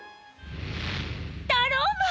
タローマン！